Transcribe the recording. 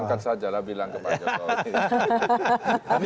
ya sudah angkat sajalah bilang ke pak jokowi